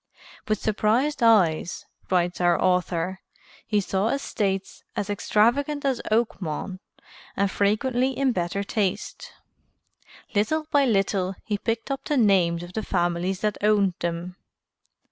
"With surprised eyes," writes our author, "he saw estates as extravagant as Oakmont, and frequently in better taste. Little by little he picked up the names of the families that owned them.